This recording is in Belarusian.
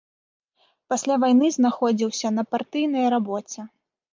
Пасля вайны знаходзіўся на партыйнай рабоце.